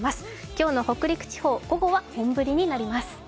今日の北陸地方午後は本降りになります。